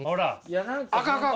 あかんあかん。